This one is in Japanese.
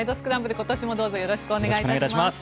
今年もどうぞよろしくお願いします。